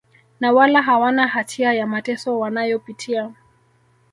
na wala hawana hatia ya mateso wanayopitia